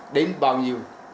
đến bao nhiêu